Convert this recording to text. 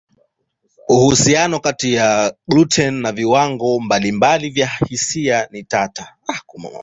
Uhusiano kati ya gluteni na viwango mbalimbali vya hisi ni tata.